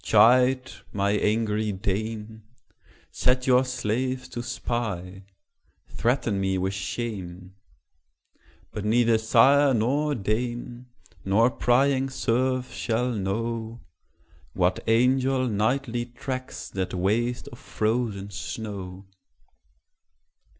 chide, my angry dame! Set your slaves to spy; threaten me with shame: But neither sire nor dame, nor prying serf shall know, What angel nightly tracks that waste of frozen snow.